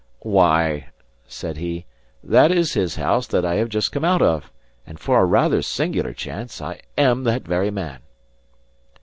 "Why," said he, "that is his house that I have just come out of; and for a rather singular chance, I am that very man."